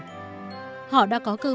nhưng tất cả những đồng tiền vàng